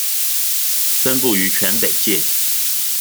分布于全北界。